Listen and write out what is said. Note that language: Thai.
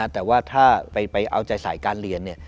แต่ว่าถ้าไปเอาใจสายการเรียน